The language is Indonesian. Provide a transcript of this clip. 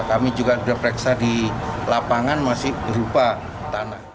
kami juga sudah periksa di lapangan masih berupa tanah